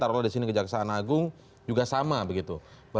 taruh disini ke jaksaan agung juga sama begitu